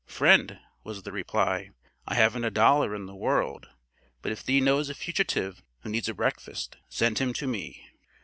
"'Friend,' was the reply, 'I haven't a dollar in the world, but if thee knows a fugitive who needs a breakfast, send him to me.'